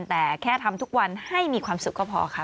แต่แค่ทำทุกวันให้มีความสุขก็พอค่ะ